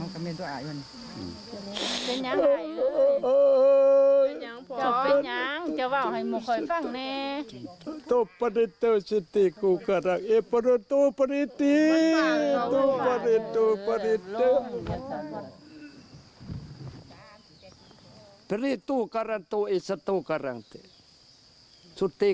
เจ้าเป็นยังพ่อเจ้าบ่าวให้หมดความฟังเนี่ย